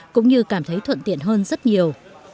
cũng như cảm thấy thuận tiện hơn rất nhiều